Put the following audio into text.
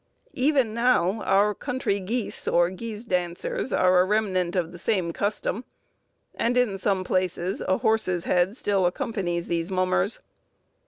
Even now, our country geese or guise dancers are a remnant of the same custom, and, in some places, a horse's head still accompanies these mummers.